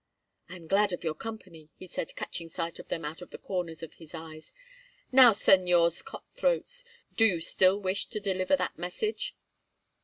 "I am glad of your company," he said, catching sight of them out of the corners of his eyes. "Now, Señors Cut throats, do you still wish to deliver that message?"